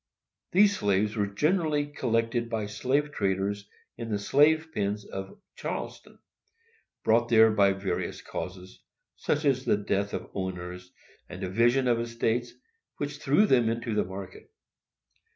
These slaves were generally collected by slave traders in the slave pens in Charleston,—brought there by various causes, such as the death of owners and the division of estates, which threw them into the market.